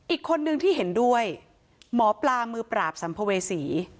อีกคนนึงที่เห็นด้วยหมอปลามือปราบสัมภเวษี